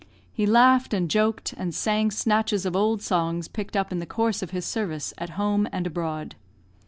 He laughed and joked, and sang snatches of old songs picked up in the course of his service at home and abroad.